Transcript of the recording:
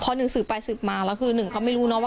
พอหนึ่งสืบไปสืบมาแล้วคือหนึ่งเขาไม่รู้เนอะว่า